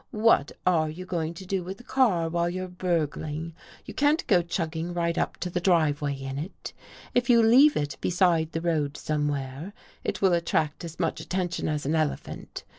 What are you going to do with the car while you're burgling? You can't go chugging right up the driveway in it. If you leave it beside the road somewhere, it will attract as much attention as an elephant.